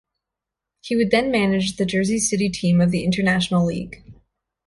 He would then manage the Jersey City team of the International League.